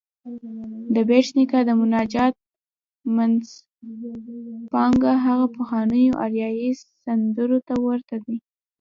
د بېټ نیکه د مناجات منځپانګه هغه پخوانيو اریايي سندرو ته ورته ده.